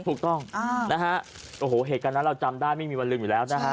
ถูกต้องนะฮะโอ้โหเหตุการณ์นั้นเราจำได้ไม่มีวันลืมอยู่แล้วนะฮะ